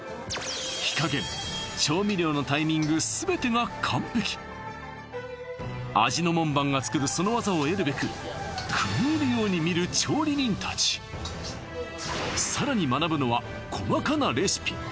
火加減調味料のタイミング全てが完璧味の門番が作るその技を得るべく達さらに学ぶのは細かなレシピ